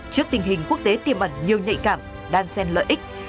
trước tình hình quốc tế tiềm ẩn nhiều nhạy cảm đan xen lợi ích